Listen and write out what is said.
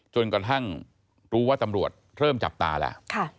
จนกระทั่งรู้ว่าตำรวจเริ่มจับตาแล้ว